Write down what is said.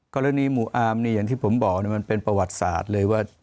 กรณีหมู่อาร์มอย่างที่ผมบอกมันเป็นประวัติศาสตร์เลยว่า